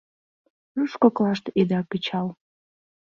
Руш коклаште ида кычал